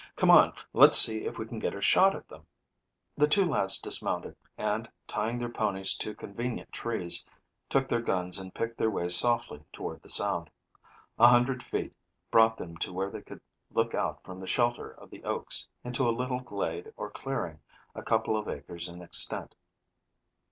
"Come on, let's see if we can get a shot at them." The two lads dismounted, and, tying their ponies to convenient trees, took their guns and picked their way softly toward the sound. A hundred feet brought them to where they could look out from the shelter of the oaks into a little glade or clearing a couple of acres in extent.